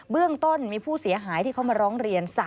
เรื่องต้นมีผู้เสียหายที่เขามาร้องเรียน